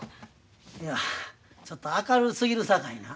いやちょっと明るすぎるさかいな。